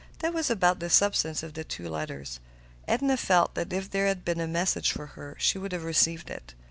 That was about the substance of the two letters. Edna felt that if there had been a message for her, she would have received it.